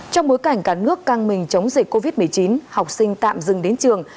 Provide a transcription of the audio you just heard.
trong bối cảnh cả nước căng mình chống dịch covid một mươi chín học sinh tạm dừng đến trường